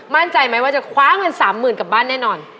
มั่นใจไหมว่าจะคว้าเงิน๓๐๐๐กลับบ้านแน่นอน